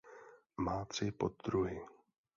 Má tři poddruhy.